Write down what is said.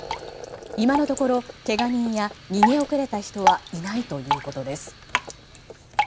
今のところけが人や逃げ遅れた人はいないということです。